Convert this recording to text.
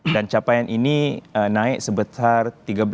dan capaian ini naik sebesar tiga belas